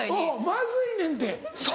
まずいねんて。